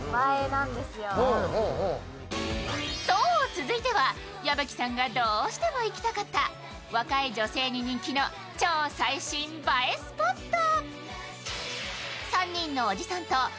続いては、矢吹さんがどうしても行きたかった若い女性に人気の超最新映えスポット。